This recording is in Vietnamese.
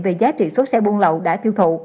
về giá trị số xe buôn lậu đã tiêu thụ